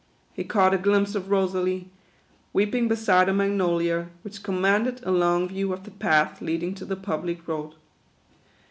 He caught a glimpse of Rosalie, weeping beside a magnolia, which commanded a long view of the path leading to the public road.